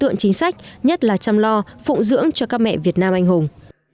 tượng chính sách nhất là chăm lo phụng dưỡng cho các mẹ việt nam anh hùng